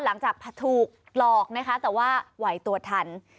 หลังจากถูกหลอกนะคะแต่ว่าไหวตัวทัน